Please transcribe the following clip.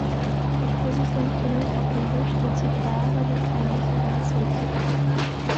As posições que não cobrem dois terços da avaliação não serão aceitas.